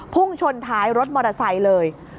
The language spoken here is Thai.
พุ่งชนท้ายรถมอเตอร์ไซค์เลย